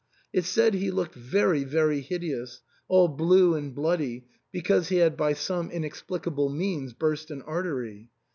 It*s said he looked 358 ARTHUR'S HALL. very very hideous — all blue and bloody, because be had by some inexplicable means burst an artery.